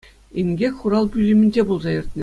Инкек хурал пӳлӗмӗнче пулса иртнӗ.